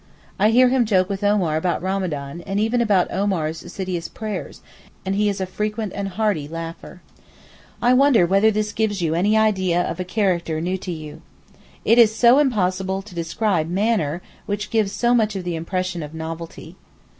I hear him joke with Omar about Ramadan, and even about Omar's assiduous prayers, and he is a frequent and hearty laugher. I wonder whether this gives you any idea of a character new to you. It is so impossible to describe manner, which gives so much of the impression of novelty.